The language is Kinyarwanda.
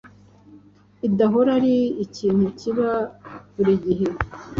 bidahora ari ikintu kiba burigihe